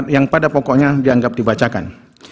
yang pada pokoknya dianggap dibacakan